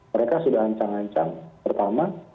mereka sudah ancang ancang pertama